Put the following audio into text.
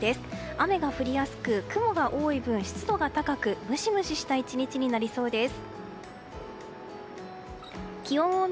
雨が降りやすく雲が多い分、湿度が高くムシムシした１日になりそうです。